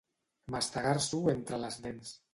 Mastegar-s'ho entre les dents.